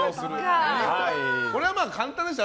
これは簡単でした？